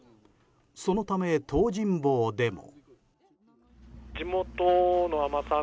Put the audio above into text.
そのため、東尋坊でも。